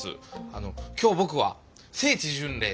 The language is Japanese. あの今日僕は聖地巡礼で。